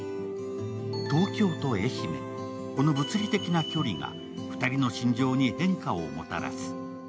東京と愛媛、この物理的な距離が２人の心情に変化をもたらす。